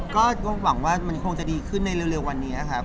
ก็หวังว่ามันคงจะดีขึ้นในเร็ววันนี้ครับ